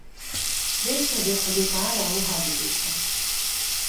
Vê şevê Xwedê Teala wiha dibêje: